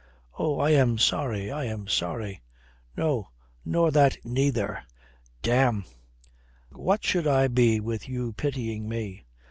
"Oh, I am sorry. I am sorry." "No, nor that neither. Damme, what should I be with you pitying me?